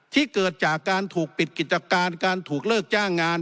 เกิดจากการถูกปิดกิจการการถูกเลิกจ้างงาน